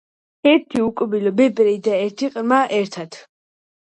ერთი უკბილო ბერი და ერთი ყრმა ერთად .